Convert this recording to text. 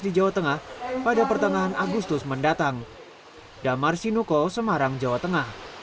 di jawa tengah ini karena itu memang kita harus klinik karena kita tidak bisa melakukan social distancing